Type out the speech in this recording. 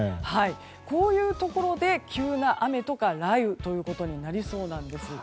こういうところで急な雨とか雷雨ということになりそうなんです。